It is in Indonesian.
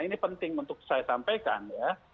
ini penting untuk saya sampaikan ya